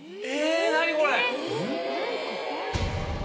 え！